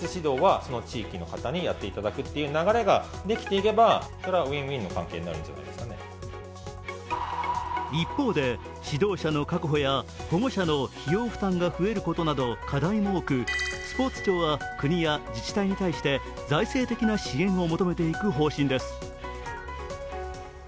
提言がまとまったことを受け、現場の教師は一方で、指導者の確保や保護者の費用負担が増えることなど課題も多くスポーツ庁は国や自治体に対して財政的な支援を求めていく方針です。